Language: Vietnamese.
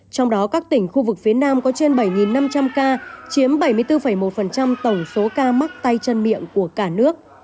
trong đó các tỉnh khu vực phía nam có trên bảy năm trăm linh ca chiếm bảy mươi bốn một tổng số ca mắc tay chân miệng của cả nước